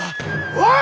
おい！